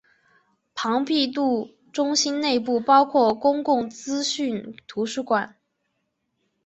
庞毕度中心内部包括公共资讯图书馆。